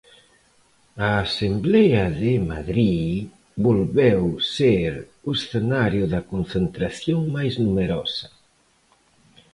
A Asemblea de Madrid volveu ser o escenario da concentración máis numerosa.